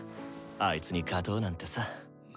あいつに勝とうなんてさ。